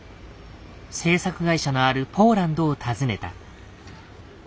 制作会社のあるポーランドを訪ねた。